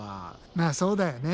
まあそうだよね。